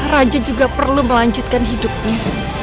raja juga perlu melanjutkan hidupnya